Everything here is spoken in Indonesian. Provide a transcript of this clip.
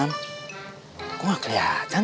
aku gak kelihatan